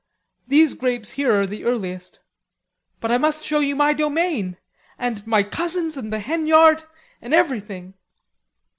"These grapes here are the earliest; but I must show you my domain, and my cousins and the hen yard and everything."